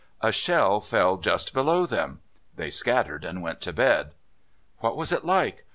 A shell fell just below them! They scattered and went to bed. "What was it like?